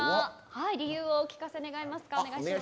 理由をお聞かせ願えますか。